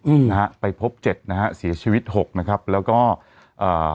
อืมนะฮะไปพบเจ็ดนะฮะเสียชีวิตหกนะครับแล้วก็อ่า